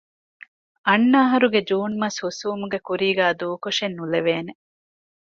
އަންނަ އަހަރުގެ ޖޫން މަސް ހުސްވުމުގެ ކުރީގައި ދޫކޮށެއް ނުލެވޭނެ